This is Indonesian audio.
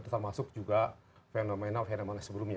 termasuk juga fenomenal yang ada sebelumnya